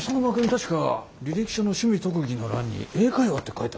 確か履歴書の趣味・特技の欄に「英会話」って書いてあったよね？